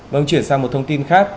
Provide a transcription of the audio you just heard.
mời ông chuyển sang một thông tin khác